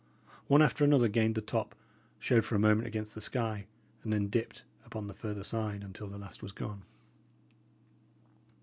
One after another gained the top, showed for a moment against the sky, and then dipped upon the further side, until the last was gone.